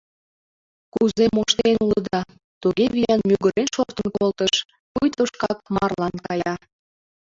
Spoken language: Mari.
Кузе моштен улыда? — туге виян мӱгырен шортын колтыш, пуйто шкак марлан кая.